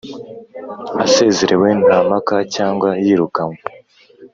asezerewe nta mpaka cyangwa yirukanywe